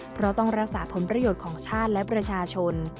เพราะต้องรักษาผลประโยชน์ของชาติและประชาชน